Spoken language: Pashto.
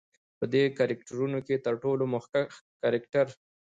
په دې کرکترونو کې تر ټولو مخکښ کرکتر